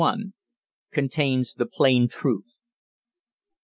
CONTAINS THE PLAIN TRUTH.